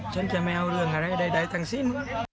ฉันจะไม่เอาเรื่องอะไรใดทั้งสิ้น